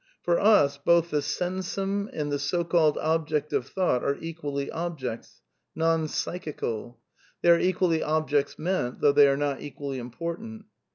" For us, both the sensum and the so called object of thought are equally objects, non psychical; tiiey are equally objects meant, though they are not equally important.